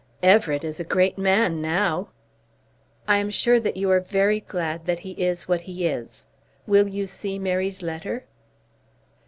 "Everett is a great man now." "I am sure that you are very glad that he is what he is. Will you see Mary's letter?"